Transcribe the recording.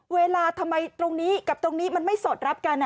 เวลาทำไมตรงนี้กับตรงนี้มันไม่สอดรับกัน